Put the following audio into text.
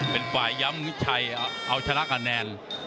เป็นฝ่ายย้ำชัยเอาชะละกันแนน